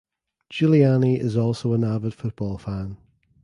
Giuliani is also an avid football fan.